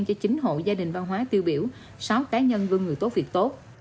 cho chín hộ gia đình văn hóa tiêu biểu sáu cá nhân gương người tốt việc tốt